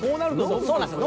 そうなんすよ。